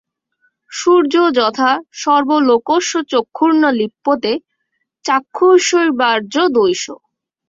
সূর্যো যথা সর্বলোকস্য চক্ষুর্ন লিপ্যতে চাক্ষুষৈর্বাহ্যদোষৈঃ।